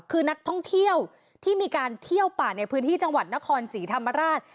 คือนักท่องเที่ยวที่มีการเที่ยวป่าในพื้นที่จังหวัดนครศรีธรรมราช